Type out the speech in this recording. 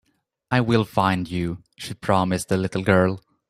"I will find you.", she promised the little girl.